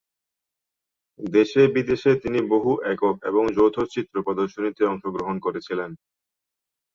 দেশে-বিদেশে তিনি বহু একক এবং যৌথ চিত্র প্রদর্শনীতে অংশগ্রহণ করেছিলেন।